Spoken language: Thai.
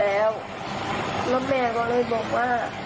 แล้วแม่ก็เลยบอกว่า